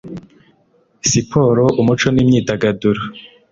Siporo umuco n imyidagaduro